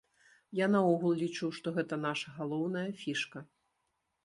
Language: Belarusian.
Я наогул лічу, што гэта наша галоўная фішка.